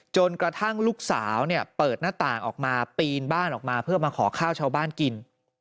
จนกระทั่งลูกสาวเนี่ยเปิดหน้าต่างออกมาปีนบ้านออกมาเพื่อมาขอข้าวชาวบ้านกิน